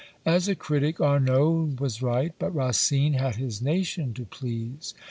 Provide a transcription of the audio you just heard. As a critic, Arnauld was right; but Racine had his nation to please.